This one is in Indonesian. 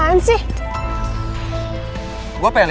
udah dua jam